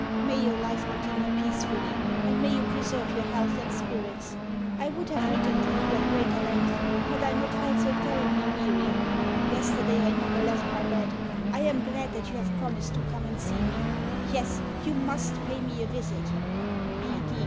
May your life continue peacefully, and may you preserve your health and spirits. I would have written to you at greater length had I not felt so terribly weary. Yesterday I never left my bed. I am glad that you have promised to come and see me. Yes, you MUST pay me a visit.